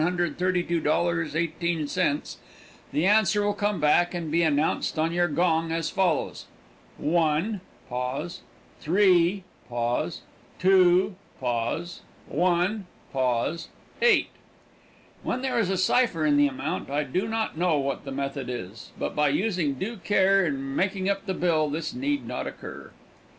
18, the answer will come back and be announced on your gong as follows: One, pause, three, pause, two, pause, one, pause, eight. When there is a cipher in the amount I do not know what the method is, but by using due care in making up the bill this need not occur.